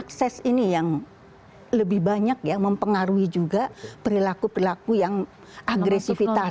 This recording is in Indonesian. akses ini yang lebih banyak ya mempengaruhi juga perilaku perilaku yang agresivitas